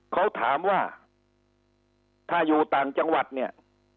เขาถามว่าถ้าอยู่ต่างจังหวัดเนี่ย